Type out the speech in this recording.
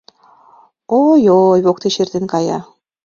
Ой, ой, воктеч эртен кая!